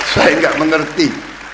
saya tidak mengerti